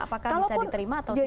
apakah bisa diterima atau tidak